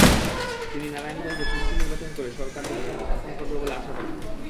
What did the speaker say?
তিনি নারায়ণগঞ্জে সুষ্ঠু নির্বাচন করে সরকার দৃষ্টান্ত স্থাপন করবে বলে আশা করেন।